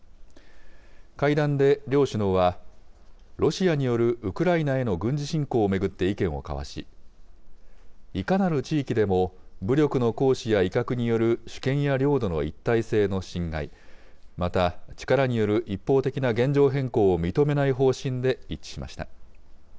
会談で両首脳は、ロシアによるウクライナへの軍事侵攻を巡って意見を交わし、いかなる地域でも武力の行使や威嚇による主権や領土の一体性の侵害、また力による一方的な現状変更を認めない方針で一致しました。